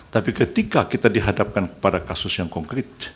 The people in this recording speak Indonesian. tapi ketika kita dihadapkan kepada kasus yang konkret